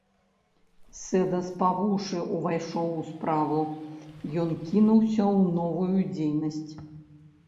Сэдас па вушы ўвайшоў у справу, ён кінуўся ў новую дзейнасць.